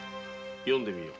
読んでみよ。